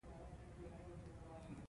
دا ښار د فلسطیني ادارې په ساحه کې شامل دی.